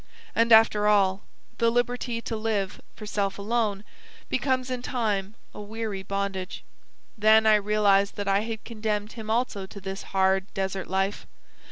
And, after all, the liberty to live for self alone becomes in time a weary bondage. Then I realised that I had condemned him also to this hard desert life.